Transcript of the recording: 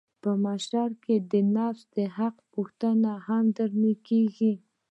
په محشر کښې د نفس د حق پوښتنه هم درنه کېږي.